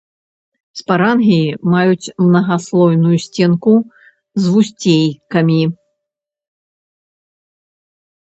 Спарангіі маюць мнагаслойную сценку з вусцейкамі.